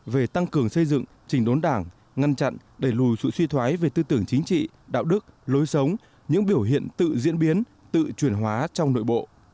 về tăng cường xây dựng trình đốn đảng ngăn chặn đẩy lùi sự suy thoái về tư tưởng chính trị đạo đức lối sống những biểu hiện tự diễn biến tự chuyển hóa trong nội bộ